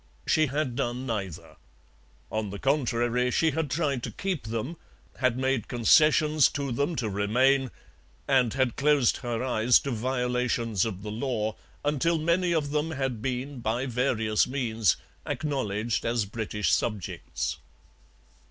She had done neither. On the contrary, she had tried to keep them, had made concessions to them to remain, and had closed her eyes to violations of the law, until many of them had been, by various means, acknowledged as British subjects.